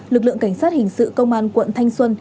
lực lượng cảnh sát hình sự công an quận thanh xuân